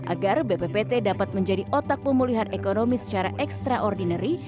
agar bppt dapat menjadi otak pemulihan ekonomi secara ekstraordinary